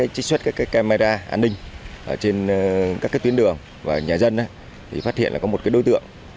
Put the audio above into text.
trích xuất các camera an ninh trên các tuyến đường và nhà dân phát hiện có một đối tượng